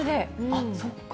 あっ、そっか。